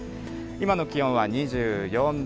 今の気温は２４度。